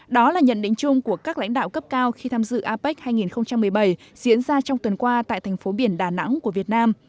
đó là nhận định chung của các lãnh đạo cấp cao khi tham dự apec hai nghìn một mươi bảy diễn ra trong tuần qua tại thành phố biển đà nẵng của việt nam